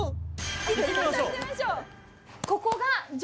行ってみましょう。